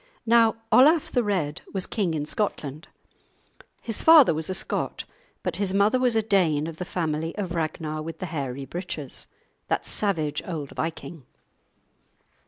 Now Olaf the Red was king in Scotland. His father was a Scot, but his mother was a Dane of the family of Ragnar with the hairy breeches, that savage old viking.